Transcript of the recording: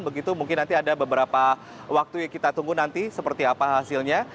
begitu mungkin nanti ada beberapa waktu yang kita tunggu nanti seperti apa hasilnya